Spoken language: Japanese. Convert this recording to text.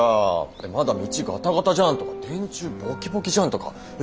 えっまだ道ガタガタじゃんとか電柱ボキボキじゃんとかえ